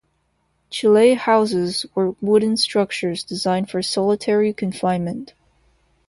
Chile Houses were wooden structures designed for solitary confinement.